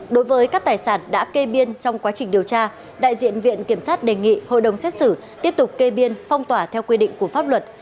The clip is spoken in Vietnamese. đối với các tài sản đã kê biên trong quá trình điều tra đại diện viện kiểm sát đề nghị hội đồng xét xử tiếp tục kê biên phong tỏa theo quy định của pháp luật